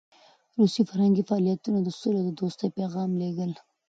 روسي فرهنګي فعالیتونه د سولې او دوستۍ پیغام لېږل.